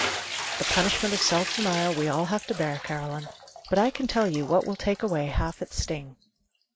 "The punishment of self denial we all have to bear, Caroline. But I can tell you what will take away half its sting."